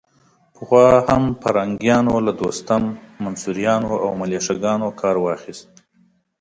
پخوا هم پرنګیانو له دوستم، منصوریانو او ملیشه ګانو کار واخيست.